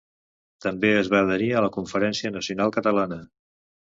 També es va adherir a la Conferència Nacional Catalana.